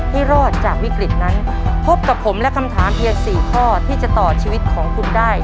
ให้รอดจากวิกฤตนั้นพบกับผมและคำถามเพียง๔ข้อที่จะต่อชีวิตของคุณได้